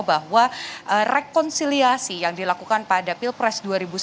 bahwa rekonsiliasi yang dilakukan pada pilpres dua ribu sembilan belas